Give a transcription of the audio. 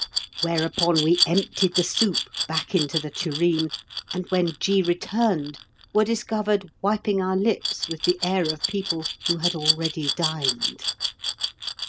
Whereupon we emptied the soup back into the tureen, and when G. returned were discovered wiping our lips with the air of people who had already dined.